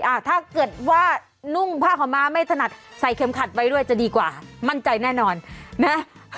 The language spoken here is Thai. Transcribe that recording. ถ้าเกิดว่านุ่งผ้าขาวม้าไม่ถนัดใส่เข็มขัดไว้ด้วยจะดีกว่ามั่นใจแน่นอนนะ